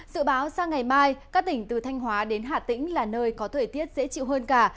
dự báo sang ngày mai các tỉnh từ thanh hóa đến hà tĩnh là nơi có thời tiết dễ chịu hơn cả